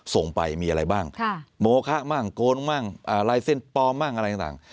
ส่งไปมีอะไรบ้างโมคะมั่งโกนมั่งลายเส้นปลอมบ้างอะไรต่าง